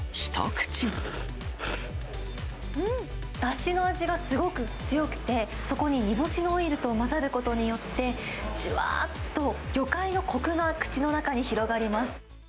だしの味がすごく強くて、そこに煮干しのオイルと混ざることによって、じゅわっと魚介のこくが口の中に広がります。